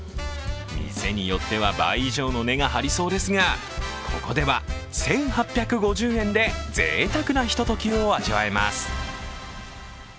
店によっては倍以上の値が張りそうですが、ここでは１８５０円でぜいたくなひとときを味わえます。